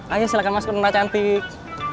ayo silahkan masuk ke rumah cantik